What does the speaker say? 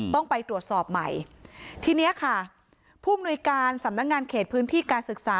ต้องไปตรวจสอบใหม่ทีเนี้ยค่ะผู้มนุยการสำนักงานเขตพื้นที่การศึกษา